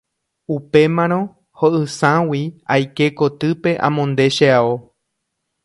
Upémarõ ho'ysãgui aike kotýpe amonde che ao.